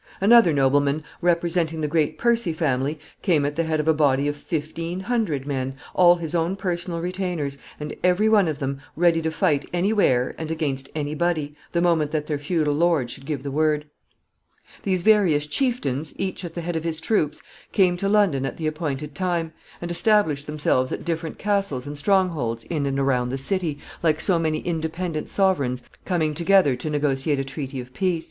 Another nobleman, representing the great Percy family, came at the head of a body of fifteen hundred men, all his own personal retainers, and every one of them ready to fight any where and against any body, the moment that their feudal lord should give the word. [Sidenote: Armed bands.] These various chieftains, each at the head of his troops, came to London at the appointed time, and established themselves at different castles and strong holds in and around the city, like so many independent sovereigns coming together to negotiate a treaty of peace.